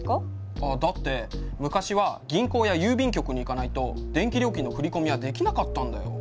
あっだって昔は銀行や郵便局に行かないと電気料金の振込はできなかったんだよ。